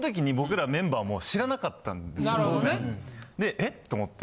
え？と思って。